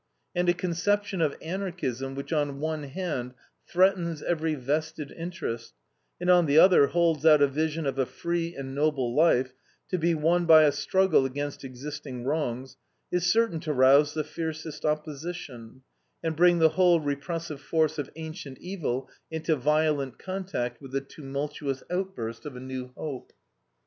And a conception of Anarchism, which, on one hand, threatens every vested interest, and, on the other, holds out a vision of a free and noble life to be won by a struggle against existing wrongs, is certain to rouse the fiercest opposition, and bring the whole repressive force of ancient evil into violent contact with the tumultuous outburst of a new hope.